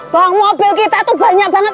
bang mobil kita tuh banyak banget